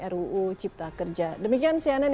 ruu cipta kerja demikian cnn